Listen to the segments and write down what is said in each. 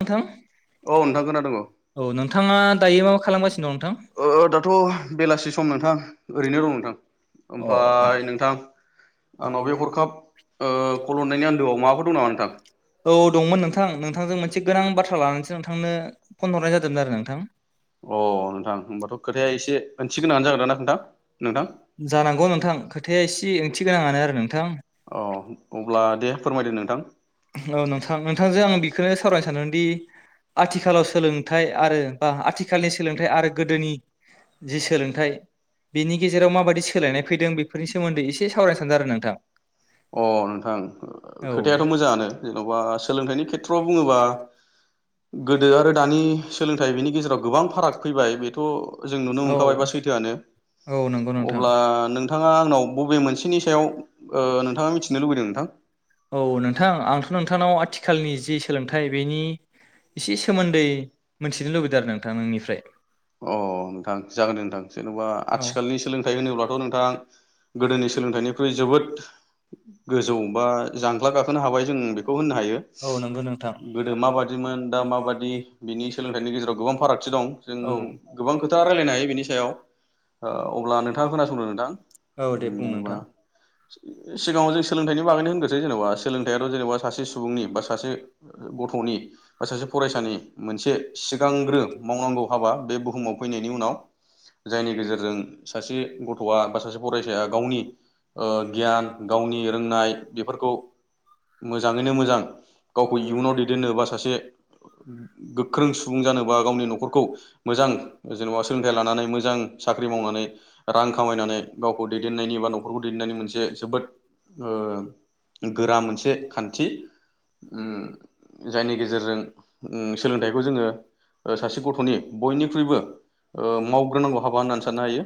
नोंथां औ नोंथां खोनादों अ औ नोंथाङा दायो मा खालामगासिनो दं नोंथां? ओ दाथ' बेलासि सम नोंथां ओरैनो दं नोंथां अ ओमफाय नोंथां आंनाव बे हरखाब ओ कलहरनायनि आनदोआव माबाफोर दं नामा नोंथां? औ दंमोन नोंथां मोनसे गोनां बाथ्रा लानानैसो नोंथांनो फन हरनाय जादोंमोन आरो अ नोंथां नोंथां होमबाथ' खोथाया एसे ओंथि गोनाङानो जागोन ना नोंथां नोंथां अ [unintelligible] जानांगौ नोंथां खोथाया एसे ओंथि गोनाङानो आरो नोंथां अ अब्ला दे फोरमायदो नोंथां औ नोंथां नोंथांजों आं बिखोनो सावरायनो सानदोंदि आथिखालाव सोलोंथाइ आरो बा आथिखालनि सोलोंथाइ आरो गोदोनि जि सोलोंथाइ बिनि गेजेराव माबायदि सोलायनाय फैदों बेफोरनि सोमोन्दै अ एसे सावरायनो सानदों आरो नोंथां नोंथां औ खोथायाथ' मोजाङानो जेन'बा सोलोंथाइनि खेथ्र'आव बुङोबा गोदो आरो दानि सोलोंथाइ बिनि गेजेराव गोबां फाराग फैबाय बेथ' जों नुनो औ मोनखाबाय बा सैथोआनो औ नंगौ नोंथां अब्ला नोंथाङा आंनाव बबे? मोनसेनि सायाव ओ नोंथाङा मिथिनो लुबैदों नोंथां [unintelligible] औ नोंथां आंथ' नोंथांनाव आथिखालनि जि सोलोंथाय [unintelligible] अ [unintelligible] लुबैदों आरो नोंथां नोंनिफ्राय नोंथां जागोन दे नोंथां जेन'बा औ आथिखालनि सोलोंथाइ होनोब्लाथ' नोंथां गोदोनि सोलोंथाइनिख्रुइ जोबोद गोजौ बा जांख्ला गाखोनो हाबाय जों बेखौ होननो हायो औ नंगौ नोंथां गोदो माबादिमोन दा माबादि बिनि सोलोंथाइनि गेजेराव गोबां फारागथि दं जों औ गोबां खोथा रायलायनो हायो बिनि सायाव ओ अब्ला नोंथाङा खोनासंदो नोंथां औ दे ओम बुं जेनेबा नोंथां सिगाङाव जों सोलोंथाइनि बागैनो होनग्रोसै जेनेबा सोलोंथाइथ' जेनेबा सासे सुबुंनि बा सासे गथ'नि बा सासे फरायसानि मोनसे सिगांग्रो मावनांगौ हाबा बे बुहुमाव फैनायनि उनाव जायनि गेजेरजों सासे गथ'आ बा सासे फराय गावनि ओ गियान गावनि रोंनाय बेफोरखौ मोजाङैनो मोजां गावखौ इयुनाव दैदेननो बा सासे गोख्रों सुबुं जानोबा गावनि न'खरखौ मोजां जेनेबा सोलोंथाइ लानानै मोजां साख्रि मावनानै रां खामायनानै गावखौ दैदेननायनि एबा न'खरखौ दैदेननायनि मोनसे जोबोद ओ गोरा मोनसे खान्थि उम जायनि गेजेरजों उम सोलोंथाइखौ जोङो ओ सासे गथ'नि बयनिख्रुइबो ओ मावग्रोनांगौ हाबा होननानै साननो हायो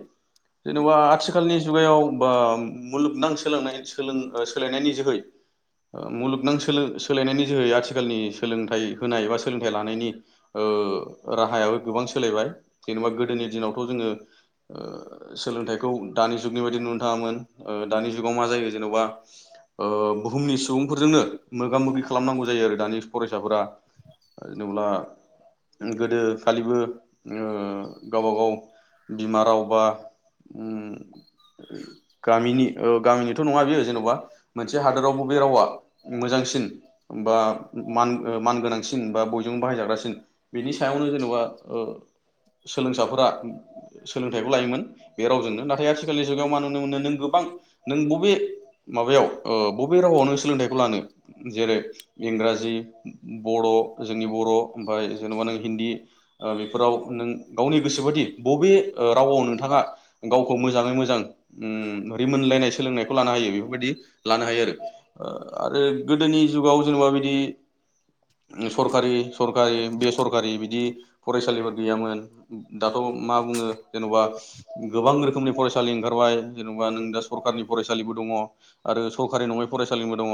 जेनेबा आथि खालनि जुगायाव बा मुलुगनां सोलोंनाय सोलों ओ सोलानायनि जोहै ओ मुलुगनां सोलो सोलायनायनि जोहै आथिखालनि सोलोंथाइ होनाय एबा सोलोंथाइ लानायनि ओ राहायाबो गोबां सोलायबाय जेनेबा गोदोनि दिनावथ' जोङो ओ सोलोंथाइखौ जुगनि बायदि नुनो थाङामोन ओ दानि जुगाव मा जायो जेन'बा ओ बुहुमनि सुबुंफोरजोंनो मोगा मोगि खालामनांगौ जायो आरो दानि फरायसाफोरा। जेनेब्ला गोदो खालिबो ओ गावबागाव बिमा राव बा उम गामिनि ओ गामिनिथ' नङा बियो जेन'बा मोनसे हादोरावबो बे रावा मोजांसिन बा मान ओ गोनां सिन बा बयजोंबो बाहायजाग्रा सिन सायावनो जेनबा ओ सोलोंसाफोरा ओ सोलोंथाइखौ लायोमोन बे रावजोंनो नाथाय आथिखालनि जुगाव मा नुनो मोनो नों गोबां नों बबे माबायाव ओ बबे रावाव नों सोलोंथाइखौ लानो जेरै इंराजि बर' जोंनि बर' ओमफाय जेन'बा नों हिन्दी ओ बेफोराव नों गावनि गोसोबादि ओ बबे रावआव नोंथाङा गावखौ मोजाङै मोज जां उम रिमोनलायनाय सोलोंनायखौ लानो हायो बेफोरबायदि लानो हायो ओ आरो आरो गोदोनि जुगाव जेनबा बिदि सरखारि सरखारि बेसरखारि बिदि फरायसालिफोर गैयामोन दाथ' मा बुङो जेन'बा गोबां रोखोमनि फरायसालि खौहाय जेनबा नों दा सरखारनि फरायसालिबो दङ। आरो सरकारि नङै फरायसालिनबो दङ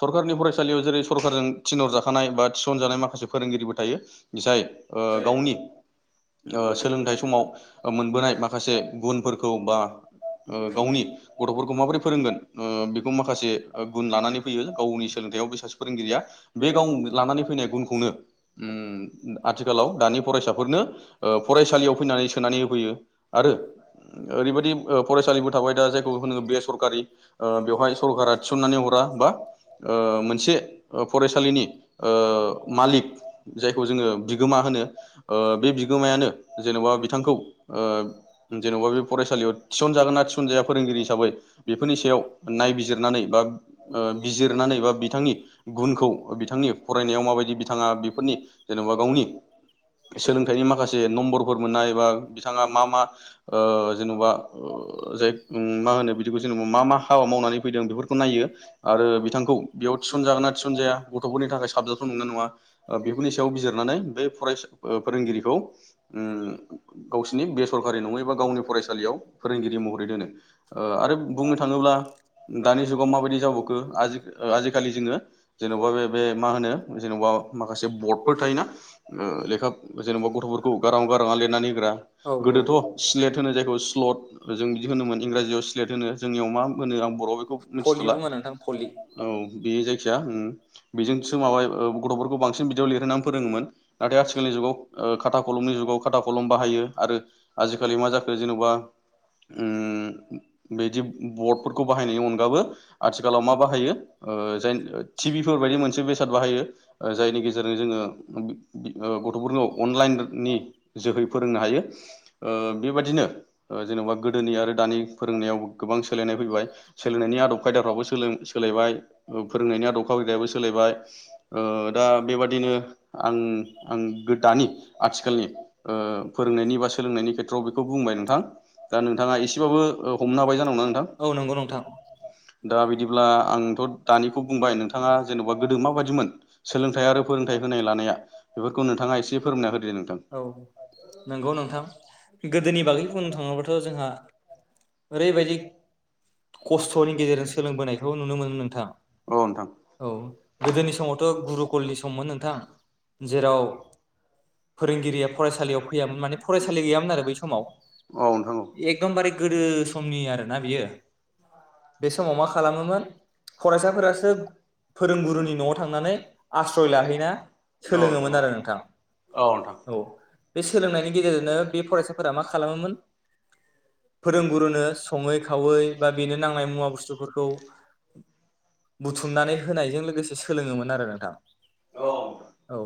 सरखारनि फरायसालियाव जेरै सरखारारजों थिनर जा थानाय बा थिसनजानाय माखासे फोरोंगिरिबो थायो जाय ओ गावनि ओ सोलोंथाइ समाव ओ मोनबोनाय माखासे गुनफोरखौ बा ओ गावनि गथ'फोरखौ माबोरै फोरोंगोन ओ बेखौ माखासे ओ गुन लानानै फैयो गावनि सोलोंथाइयाव बे सासे फोरोंगिरिया। बे गाव लानानै फैनाय गुनखौनो उम दा आथिखालाव दानि फरायसाफोरनो ओ फरायसालियाव फैनानै सोनानै होफैयो आरो ओ ओरैबायाददि ओ फरायसालिबो थाबाय दा जायखौ होनो बेसरकारि ओ बेवहाय सरकारा थिसननानै हरा बा ओ मोनसे ओ फरायस खालिनि ओ मालिक जायखौ जोङो बिगोमा होनो ओ बे बिगोमायानो जेन'बा बिथांखौ ओ जेन'बा बे फरायसालियाव थिसनजागोन ना थिसनजाया फोरोंगिरि हिसाबै बेफोरनि सायाव नायबिजिरनानै बा ओ बिजिरनानै बा बिथांनि गुनखौ अ बिथांनि फरायनायाव माबायदि बिथाङा बिफोरनि जेन' बा गावनि सोलोंथाइनि माखासे नम्बरफोर मोननाय बा बिथाङा मा मा ओ जेन'बा ओ जाय मा होनो बिदिखौ जेनेबा मा मा हाबा मावनानै फैदों बेफोरखौ नायो आरो बिथांखौ बेयाव थिसन जागोन ना थिसन जाया गथ'फोरनि थाखाय साबजाथाव नंगोव ना नङा ओ बेफोरनि सायाव नानै बे फसा ओ फोरोंगिरिखौ उम गावसिरनि बेसरकारि नङै बा गावनि फरायसालियाव फोरोंगिरि महरै दोनो ओ आरो बुंनो थाङोब्ला दानि जुगाव माबायदि जाबावखो आजि ओ आजिखालि जोङो जेन'बा बे मा होन जेनेबा माखासे बद फोर थायोना ओ लेखा जेन'बा गथ'फोरखौ गारां गाराङा लिरनानै होग्रा औ गोदोथ' स्लेट होनो जायखौ स्ल'द जों बिदि होनोमोन इंराजियाव स्लेट होनो जोंनियाव मा होनो आं बर' बेखौ भलि मिथिथ'ला बुङो नोंथां भलि औ बे जायखिया उम बेजोंसो माबा गथफोरखौ बांसिन बिदियाव लिरहोनांगौ। फोरोङोमोन। नाथाय आथिखालनि‌ जुगाव खाथा कलमनि जुगाव खाथा कलम बाहायो आरो आजिखालि मा जाखो जेनबा बिदि‌ बडफोरखौ बाहायनायनि अनगाबो आथिखालाव मा बाहायो टिभिफोर बायदि मोनसे बेसाद बाहायो जायनि गेजेरजों जोङो गथफोरखौ अनलाइननि जोहै फोरोंनो हायो। ओ बे बायदिनो जेनबा गोदोनि आरो दानि फोरोंनायाव गोबां सोलायनाय फैबाय। सोलोंनायनि आदब खायदाफ्राबो सोलों सोलायबाय फोरोंनायनि आदब खायदायाबो बाय दा बेबादिनो आं आं दानि आथिखालनि ओ फोरोंनायनि बा सोलोंनायनि खेथ्रयाव बेखौ बुंबाय नोंथां। दा नोंथाङा इसेबाबो हमनो हाबाय जानांगौ ना नोंथां। औ नंगौ नोंथां दा बिदिब्ला आंथ दानिखौ बुंबाय नोंथाङा गोदो माबायदिमोन सोलोंथाइ आरो फोरोंथाइ होनाय लानाया बेफोरखौ नोंथाङा एसे फोरमायना होदो दे नोंथां औ नंगौ नोंथां गोदोनिबागै बुंनो थाङोब्लाथ जोंहा ओरैबायदि‌ खस्थनि गेजेरजों सोलोंबोनायखौ नुनो मोनो नोंथां। औ नोंथां औ गोदोनि समावथ गुरुकलनि सममोन नोंथां। जेराव फोरोंगिरिया फरायसालियाव फैयामोन माने फरायसालि गैयामोन आरो बै समाव एकदमबारे गोदो समनि आरोना बियो बे समाव मा खालामोमोन फरायसाफोरासो [unintelligible] फोरोंगुरुनि नयाव थांनानै आस्रय लाहैना सोलोङोमोन आरो नोंथां औ औ बे सोलोंनायनि गेजेरजोंनो बे फरायसाफोरा मा खालामोमोन फोरोंगुरुनो सङै खावै बा बेनो नांनाय मुवा बुस्थुफोरखौ बुथुमनानै होनो लोगोसे सोलोङोमोन आरो नोंथां औ औ। औ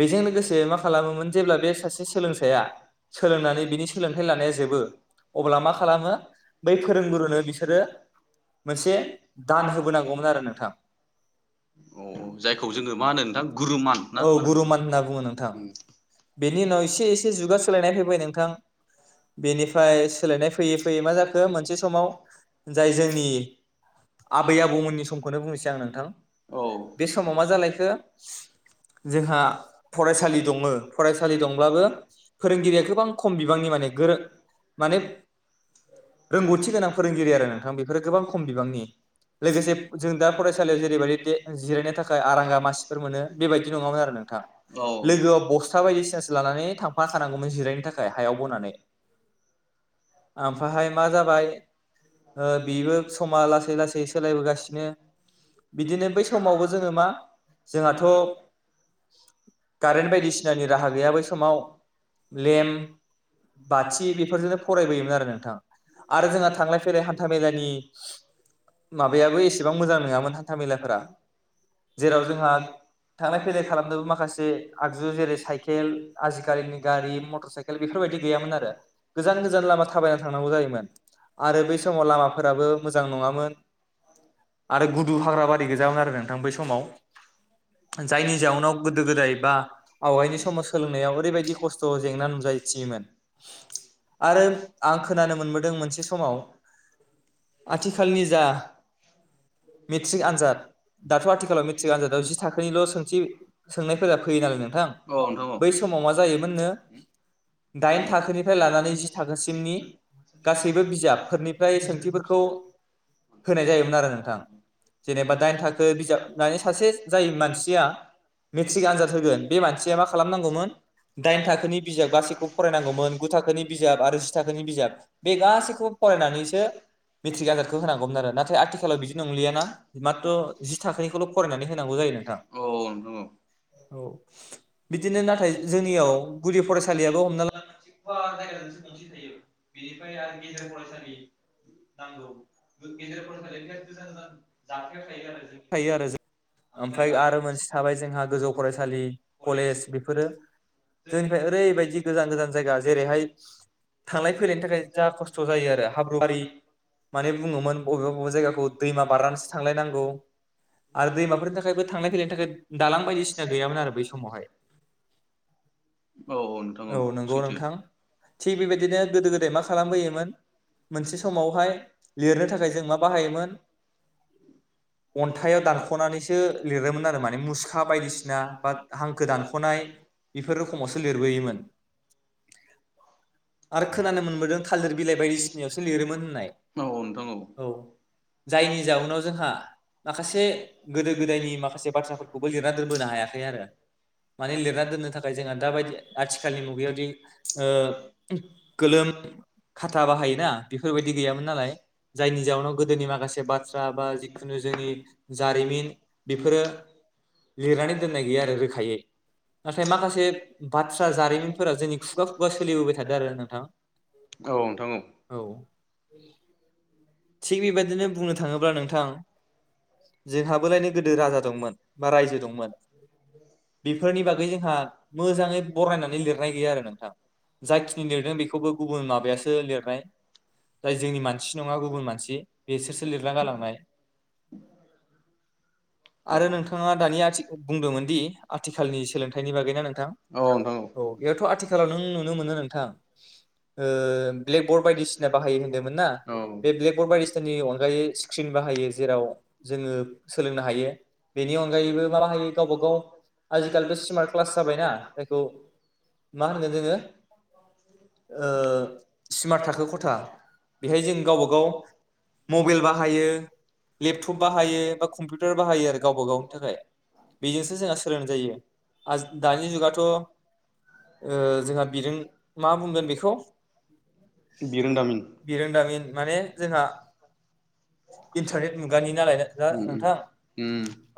बेजों लोगोसे मा खालामोमोन जेब्ला बे सासे सोलोंसाया सोलोंनानै बिनि सोलोंथाइ लानाया जोबो। अब्ला मा खालामो बै फोरोंगुरुनो बिसोरो मोनसे दान होबोनांगौमोन आरो नोंथां। जायखौ जोङो मा होनो नोंथां? गुरुमान ना औ मा होनो गुरुमान होनना बुङो नोंथां। बेनि उनाव एसे एसे जुगा सोलायनाय फैबाय नोंथां। बेनिफ्राय सोलायनाय फैयै फैयै मा जाखो मोनसे समाव जाय जोंनि आबै आबौमोननि समखौनो बुंनोसै आं नोंथां। औ बे समाव मा जालायखो जोंहा फरायसालि दङ फरायसालि दंब्लाबो फोरोंगिरिया गोबां खम बिबांनि माने गोरों माने रोंगौथि गोनां फोरोंगिरि आरो नोंथां बेफोरो गोबां खम बिबांनि लोगोसे जों दा फरायसालि जेरैबायदि जिरायनो थाखाय आरांगा मासि फोर मोनो बेबायदि नङामोन आरो नोंथां औ लोगोआव नोंथां बस्था बायदिसिनासो लानानै थांफाखानांगौमोन जिरायनो थाखाय हायाव बनानै। ओमफ्रायहाय मा जाबाय बेबो समा लासै लासै सोलायबोगासिनो बिदिनो बै समावबो जोङो मा जोंहाथ कारेन्ट बायदिसिनानि राहा गैया बै समाव लेम्प बाथि बेफोरजोंनो फरायबोयोमोन आरो नोंथां आरो जोंहा थांलाय फैलाय हान्था मेलानि माबायाबो एसेबां मोजां नङामोन। हानथामेलाफोरा जेराव जोंहा थांलाय फैलाय खालामनोबो माखासे आगजु जेरै साइकेल आजिखालिनि गारि मटर साइकेल बेफोरबायदि गैयामोन आरो गोजान गोजान लामा थाबायनानै थांनांगौ जायोमोन आरो बै समाव लामाफोराबो मोजां नङामोन आरो गुदु हा हाग्रा बारि गोैजामोन आरो नोंथां बै समाव। जायनि जाउनाव गोदो गोदाय बा आवगायनि समाव सोलोंनायाव ओरैबायदि खस्थ' जेंना नुजाथियोमोन आरो आं खोनानो मोनबोदों मोनसे समाव आथिखालनि जा-' ट्रिक आनजाद दाथ' आथिखालाव मेट्रिक आनजादाव जि थाखोनिल' सोंथि औा सोंनायफोरा फैयो नालाय नोंथां बै समाव मा [unintelligible] जायोमोननो दाइन इ थाखोनिफ्राय लानानै जि थाखोसिमनि थाखो गासैबो बिजाबफोरनिफ्राय सोंथिफोरखौ होनाय होनाय जायोमोन आरो नोंथां ज जेनेबा दाइन थाखो बिजाब माने सासे जाय मानसिया मेट्रिक आनजाद होगोन बे मानसिया मा खालामनांगौमोन दाइन थाखोनि बिजाब गासैखौबो फरायनांगौमोन गु थाखोनि बिजाब आरो जि थाखोनि बिजाब बे गासैखौबो फरायनानैसो मेट्रिक आनजादखौ होनांगौमोन आरो नाथाय आथिखालाव बिदि नंलियाना। माथ्र जि थाखोनिखौ फरायनानै होनांगौ जायो नोंथां औ औ बिदिनो नाथाय जोंनियाव गुदि फरायसालियाबो हमना ला से थायो बेनिफ्राय आरो गेज फरायसालि नांगौ गेजसालिनि ज [unintelligible] थायो आरो ज ओमफ्राय आरो मोनसे थाबाय जोंहा गोजौ फरायसालि कलेज बेफोरो जोंनिफ्राय ओरैबायदि गोजान गोजान जायगा जेरैहाय थांलाय फैलायनि थाखाय जा खस्थ' जायो आरो हाब्रुआारि माने बुङोमोन बबेबा बबेबा जायगाखौ दैमा बारनानैसो थ थांलायनांगौ। आरो दैमाफोरनि थाखायबो थांलाय फैलायनि थाखाय दालां बायदिसिना गैयामोन आरो बै समावहाय। नंगौ नोंथां थिग औ बेबायदिनो गोदो गोदाय मा खालामबोयोमोन मोनसे समावहाय नोंथां लिरनो थाखाय जों मा सैथो। अन्थायाइाव दानख'नानैसो लिरोमोन आरो माने मुसुखा बायदिसिना बा हांखो दानख'नाय बेफोर रोखोमावसो लिरबोयोमोन ोम आरो खोनानो औ मोनबोदों थालिर बिलाइ बायदिसिनायावसो लिरोमोन नोंथां होननाय औ जाय जायनि जाउनाव जोंहा [unintelligible] माखासे गोदो गोदायनि माखासे बाथ्राफोरखौबो लिरना दोनबोनो हायाखै आरो माने लिरना दोननो थाखाय। दााबायदि आथिखालनि मुगायावदि गोलोम खाथा बाहायोना बेफोरबायदि गैयामोन नालाय जायनि जाउनाव गोदोनि माखासे बाथ्रा बा जिखुनु जोंनि जारिमिन बेफोरो लिरनानै दोननाय गैया आरो रोखायै नाथाय माखासे बाथ्रा जारिमिनफोराव जोंनि खुगा खुगा सोलिबोबाय थादों आरो नोंथां औ औ। थिग बेबायदिनो बुंनो थाङोब्ला नोंथां। जोंहाबलायनो गोदो राजा दंमोन बा रायजो दंमोन बेफोरनि बागै जोंहा मोजाङै बरायनानै लिरनाय गैया आरो नोंथां जायाखिनि लिरदों बेखौबो गुबुन माबायासो लिरनाय जाय जोंनि मानसि नङा गुबुन गुबुन मानसि बेसोरसो लिरना गालांनाय। आरो नोंथाङा दानि आथि बुंदोंमोन दि आथिखालनि सोलोंथाइनि बागैना नोंथां औ नोंथां औ बेयावथ' आथिखालाव नों नुनो मोनो नोंथां। ओ ब्लेक बरर्ड बायदिसिना बाहायो होनदोंमोन ना। औ बे ब्लेकबर्ड बायदिसिनानि अनगायै स्क्रिन बाहायो जेराव जोङो सोलोंनो हायो बेनि अनगायैबो मा बाहायो गावबा गाव आजिखालिथ स्मार्ट क्लास जाबायनाा जायखौ मा होनगोन जोङो। ओ सिमार्ट थाखो खथा बेहाय जों गावबा गाव मबेल बाहायो लेपटब बाहायो बा कमपिउटार गावब गावनि थाखाय बेजों जोंहा सोलों जायो दानि जुगाथ' ओ जोंहा बिरुं मा बुंगोन बे बिरोंदामिन माने जोंहा इन्टारनेट मुगानि नालाय दा नोंथां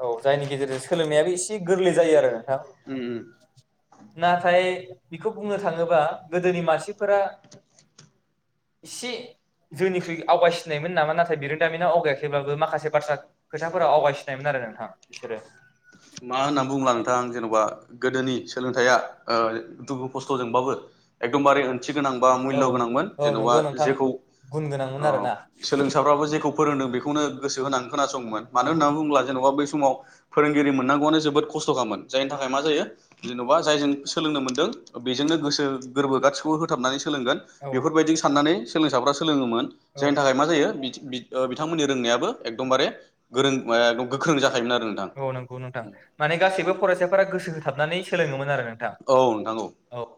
औ जायनि गेजेरजों सोलोंनायाबो एसे गोरलै जायो आरो नोंथां नाथाय बेखौ बुंनो थाङोबा गोदोनि मानसि [unintelligible] जोंनिखुइ आवगायसिनायमोन नामा नाथाय बिरोंदामिनाव आवगायाखैब्लाबो माखासे बाथ्रा खोथाफोराव आवगायसिनायमोन आरो नोंथां बिसोरो मा होनना बुंब्ला नोंथां जेन'बा गोदोनि सोलोंथाइया [unintelligible] थि गोनां बा औ मुल्य' गोनांमोन औ जेन'बा नंगौ नोंथां जेखौ गुन गोनांमोन औ आरोना सोलोंसाफ्राबो जेखौ फोरोंदों बेखौनो गोसो होनानै खोनासङोन मानो होननानै बुङोब्ला जेन'बा बै समाव फोरोंगिरि मोननांगौआनो जोबोद खस्थ'खामोन जायनि थाखाय मा जायो जेन'बा जायजों सोलोंनो मोनदों बेजोंनो गोसो गोरबो गासिखौ हो थाबनानै सोलोंगोन औ बेफोरबायदिजों साननानै सोलोंसाफ्रा सों लोङोमोन औ जायनि थाखाय मा जायो बि-बिथांमोननि रोंनायाबो एकदमबारे गोरों गोख्रों जाखायोमोन आरो नोंथां औ नंगौ नोंथां माने गासैबो फरायसाफोरा गोसो होथाबनानै सोलोङोमोन आरो नोंथां औ नोंथां औ